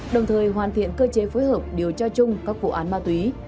đồng thời hoàn thiện cơ chế phối hợp điều tra chung các vụ án ma túy